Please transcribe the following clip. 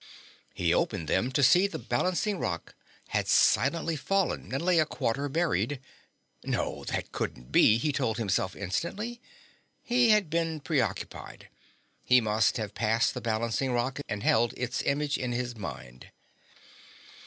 He opened them to see the balancing rock had silently fallen and lay a quarter buried no, that couldn't be, he told himself instantly. He had been preoccupied; he must have passed the balancing rock and held its image in his mind.